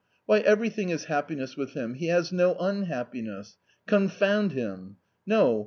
Why, everything is happiness with him, he has no unhappiness. Confound him ! No